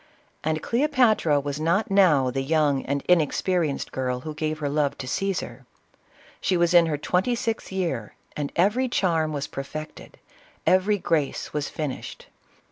— And Cleopatra was not now the young and inexperienced girl who gave her love to Caesar. She was in her twenty sixth year, and every charm was perfected, every grace was finished.